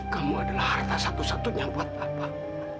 kamu adalah harta satu satunya buat bapak